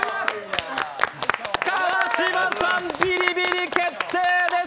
川島さん、ビリビリ決定です。